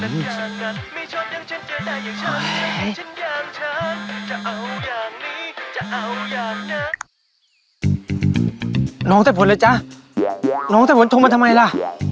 น้องเตภนเลยจ้ะน้องเตภนทรงมาทำไมล่ะ